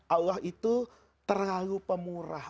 allah itu terlalu pemurah